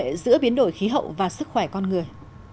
mối liên hệ giữa biến đổi khí hậu và sức khỏe con người